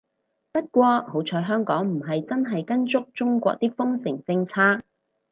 不過好彩香港唔係真係跟足中國啲封城政策